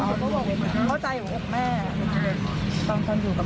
ใครนักวิทยาศาสตร์เขาชอบปุ๊บ